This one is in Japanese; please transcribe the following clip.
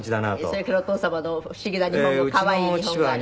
それからお父様の不思議な日本語可愛い日本語。